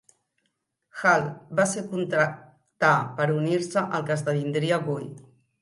Hall va ser contractar per unir-se al que esdevindria Guy.